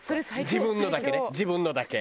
自分のだけね自分のだけ。